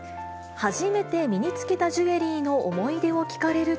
初めて身につけたジュエリーの思